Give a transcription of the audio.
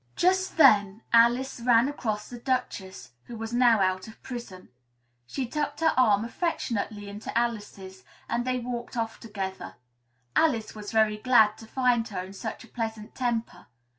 Just then Alice ran across the Duchess (who was now out of prison). She tucked her arm affectionately into Alice's and they walked off together. Alice was very glad to find her in such a pleasant temper.